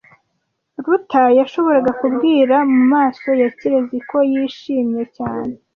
Ruta yashoboraga kubwira mumaso ya Kirezi ko yishimye cyane.